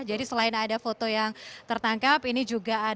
jadi selain ada foto yang tertangkap ini juga ada